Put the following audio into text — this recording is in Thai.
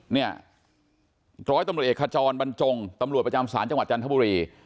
เนี่ยร้อยตำรวจเอกขจรบรรจงตำรวจประจำศาลจังหวัดจันทบุรี